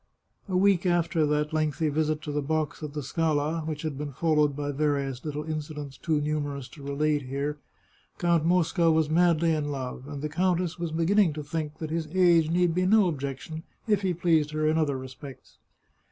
A week after that lengthy visit to the box at the Scala, which had been followed by various little incidents too nu merous to relate here. Count Mosca was madly in love, and the countess was beginning to think that his age need be no objection if he pleased her in other respects.